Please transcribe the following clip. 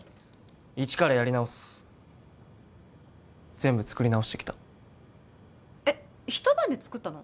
イチからやり直す全部作り直してきたえっ一晩で作ったの？